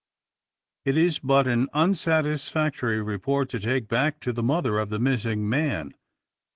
It is but an unsatisfactory report to take back to the mother of the missing man.